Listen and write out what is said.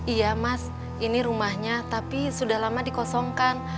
iya mas ini rumahnya tapi sudah lama dikosongkan